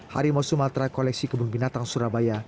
hari mau sumatera koleksi kebun binatang surabaya